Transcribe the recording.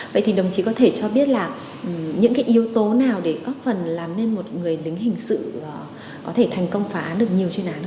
vậy thì đồng chí có thể cho biết là những cái yếu tố nào để góp phần làm nên một người lính hình sự có thể thành công phá được nhiều chuyên án